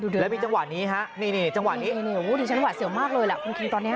เรามีจังหวะนี้ครับนี่เงียบชั้นหวาเสียมากเลยคุณคิงตอนนี้